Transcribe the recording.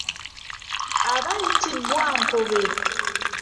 Aba ayitibwa Nkobe.